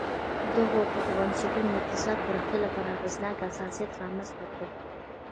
دغو بنسټونو د اقتصادي پراختیا لپاره اغېزناک اساسات رامنځته کړل